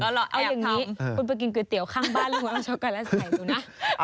เอาอย่างนี้คุณไปกินก๋วยเตี๋ยวข้างบ้านลงมาช็อกก่อนแล้วใส่ดูนะ